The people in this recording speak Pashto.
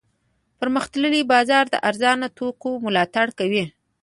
پرمختللی بازار د ارزانه توکو ملاتړ کوي.